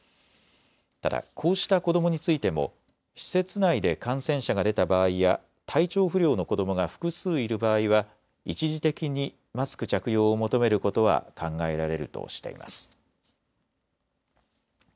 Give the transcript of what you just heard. ただ、こうした子どもについても施設内で感染者が出た場合や体調不良の子どもが複数いる場合は一時的にマスク着用を求めることは考えられるとしています。